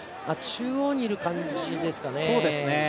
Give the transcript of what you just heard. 中央にいる感じですかね。